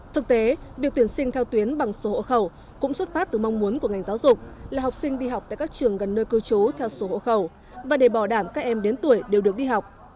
thực tế việc tuyển sinh theo tuyến bằng số hộ khẩu cũng xuất phát từ mong muốn của ngành giáo dục là học sinh đi học tại các trường gần nơi cư trú theo số hộ khẩu và để bảo đảm các em đến tuổi đều được đi học